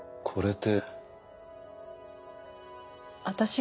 これって。